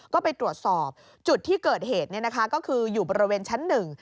ก็ไปตรวจสอบจุดที่เกิดเหตุเนี่ยนะคะก็คืออยู่บริเวณชั้นหนึ่ง